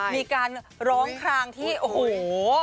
มีการร้องครางที่โอ้โห